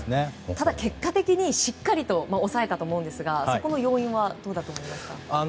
ただ結果的にしっかりと抑えたと思うんですがその要因は何だと思いますか？